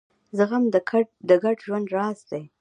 زغم د ګډ ژوند راز دی.